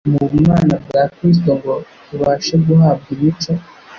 mu bumana bwa Kristo, ngo tubashe guhabwa imico